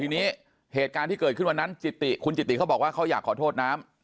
ทีนี้เหตุการณ์ที่เกิดขึ้นวันนั้นจิติคุณจิติเขาบอกว่าเขาอยากขอโทษน้ำ